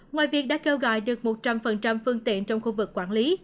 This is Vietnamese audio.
ngoài việc đã kêu gọi được một trăm linh phương tiện trong khu vực quản lý